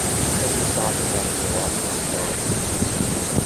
Put these boxes up in the loft for storage.